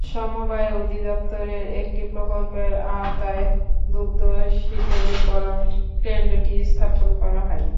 সমবায় অধিদপ্তরের একটি প্রকল্পের আওতায় দুগ্ধ শীতলীকরণ কেন্দ্রটি স্থাপন করা হয়।